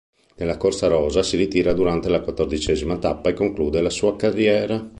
Nella corsa rosa, si ritira durante la quattordicesima tappa e conclude la sua carriera.